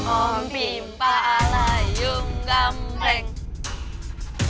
om bimpa alayu ngambek